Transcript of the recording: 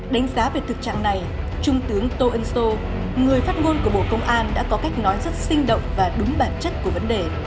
đánh giá về thực trạng này trung tướng tô ân sô người phát ngôn của bộ công an đã có cách nói rất sinh động và đúng bản chất của vấn đề